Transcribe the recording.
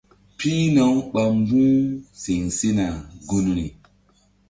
Pihna- uɓa mbu̧h siŋ sina gunri.